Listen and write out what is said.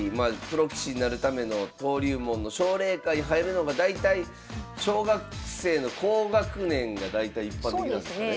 プロ棋士になるための登竜門の奨励会入るのが大体小学生の高学年が大体一般的なんですかね。